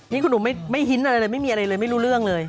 นี่คุณหนุ่มไม่ฮินอะไรเลยไม่มีอะไรเลยไม่รู้เรื่องเลย